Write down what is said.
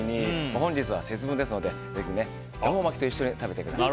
本日は、節分ですのでぜひ恵方巻きと一緒に食べてください。